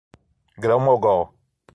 Grão Mogol